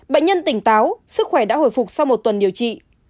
bệnh nhân tỉnh táo sức khỏe đã hồi phục sau một tuần điều trị